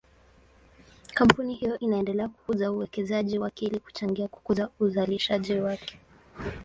Kampuni hiyo inaendelea kukuza uwekezaji wake ili kuchangia kukuza uzalishaji wake.